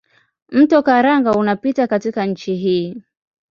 Mto Karanga unapita katika nchi hii.